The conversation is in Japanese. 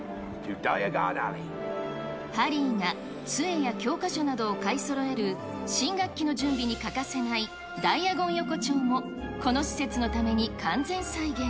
ハリーがつえや教科書などを買いそろえる、新学期の準備に欠かせないダイアゴン横丁も、この施設のために完全再現。